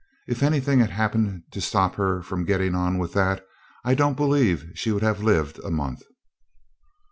If anything had happened to stop her from going on with that, I don't believe she would have lived a month.